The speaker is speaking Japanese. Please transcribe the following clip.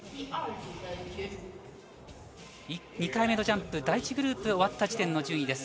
２回目のジャンプ第１グループが終わった時点での順位。